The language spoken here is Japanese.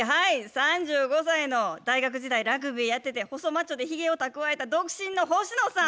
３５歳の大学時代ラグビーやってて細マッチョでヒゲをたくわえた独身の星野さん。